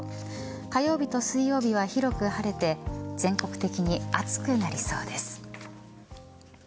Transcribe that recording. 火曜日と水曜日は広く晴れて全国的に暑くなりそうです。